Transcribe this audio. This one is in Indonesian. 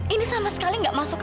ini sama sekali gak masuk akal